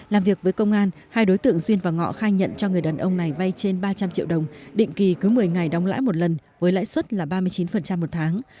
làm việc với công an hai đối tượng duyên và ngọ khai nhận cho người đàn ông này vay trên ba trăm linh triệu đồng định kỳ cứ một mươi ngày đóng lãi một lần với lãi suất là ba mươi chín một tháng